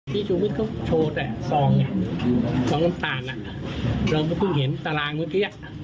ชูวิทย์เขาโชว์แต่ซองเนี่ยซองน้ำตาลเราก็เพิ่งเห็นตารางเมื่อกี้